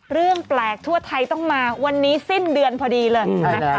เรื่องแปลกทั่วไทยต้องมาวันนี้สิ้นเดือนพอดีเลยนะคะ